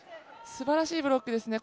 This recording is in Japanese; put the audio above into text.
すばらしいブロックですね。